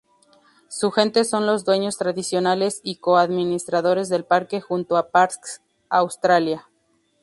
Su gente son los dueños tradicionales y co-administradores del parque junto a Parks Australia.